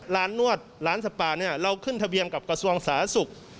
นวดร้านสปาเนี่ยเราขึ้นทะเบียนกับกระทรวงสาธารณสุข